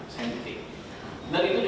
saya tidak tahu